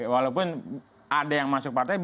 walaupun ada yang masuk partai